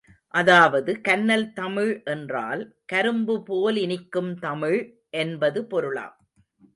அதாவது, கன்னல் தமிழ் என்றால், கரும்புபோல் இனிக்கும் தமிழ் என்பது பொருளாம்.